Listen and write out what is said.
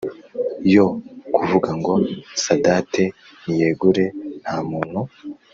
yo kuvugango sadate niyegure ntamuntu